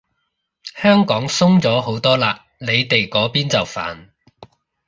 香港鬆咗好多嘞，你哋嗰邊就煩